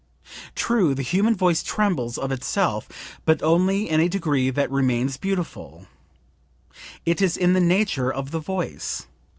True the human voice trembles of itself, but only in a degree that remains beautiful; it is in the nature of the voice.